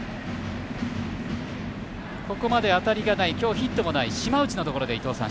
ここまで当たりがないヒットもない島内のところで伊東さん